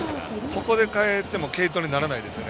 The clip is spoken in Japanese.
ここで代えても継投にならないですね。